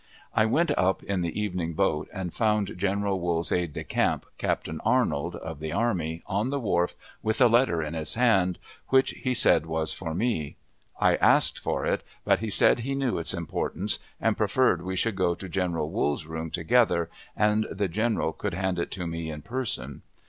I went up in the evening boat, and found General Wool's aide de camp, Captain Arnold, of the army, on the wharf, with a letter in his hand, which he said was for me. I asked for it, but he said he knew its importance, and preferred we should go to General Wool's room together, and the general could hand it to me in person.